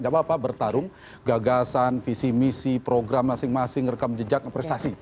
gak apa apa bertarung gagasan visi misi program masing masing rekam jejak prestasi